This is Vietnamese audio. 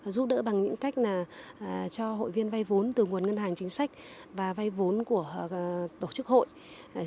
giúp đỡ bằng những cách cho hội viên vay vốn từ nguồn ngân hàng chính sách và vay vốn của tổ chức hội